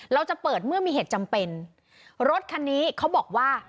เราจะเปิดเมื่อมีเหตุจำเป็นรถคันนี้เขาบอกว่า